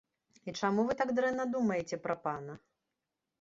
І чаму вы так дрэнна думаеце пра пана?